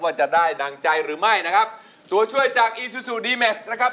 ว่าจะได้ดังใจหรือไม่นะครับตัวช่วยจากอีซูซูดีแม็กซ์นะครับ